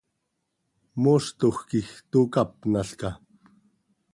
¿Mooztoj quij tocápnalca?